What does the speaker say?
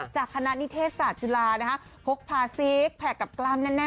จากคณะนิเทศศาสตร์จุฬาพกพาซีกแผกกับกล้ามแน่